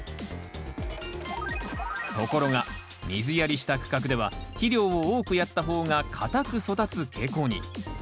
ところが水やりした区画では肥料を多くやった方が硬く育つ傾向に。